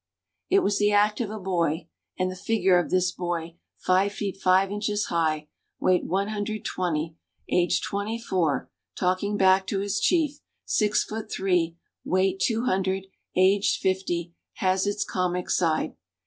It was the act of a boy; and the figure of this boy, five feet five inches high, weight one hundred twenty, aged twenty four, talking back to his chief, six feet three, weight two hundred, aged fifty, has its comic side.